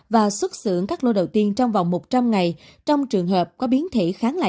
và xuất xưởng các loại vaccine